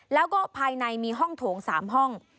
แล้วก็ภายในมีห้องโถง๓ห้อง